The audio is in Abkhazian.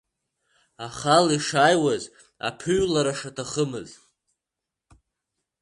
Ахала ишааиуаз, аԥыҩлара шаҭахымыз.